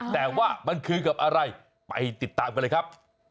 แต่ว่ามันคือกับอะไรไปติดตามกันเลยครับ